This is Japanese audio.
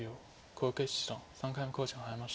小池七段３回目の考慮時間に入りました。